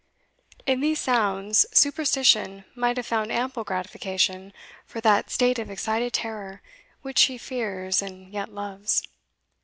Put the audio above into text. In these sounds, superstition might have found ample gratification for that State of excited terror which she fears and yet loves.